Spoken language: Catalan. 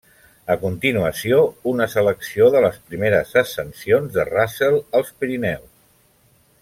A continuació una selecció de les primeres ascensions de Russell als Pirineus.